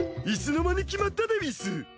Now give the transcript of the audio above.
いつの間に決まったでうぃす！？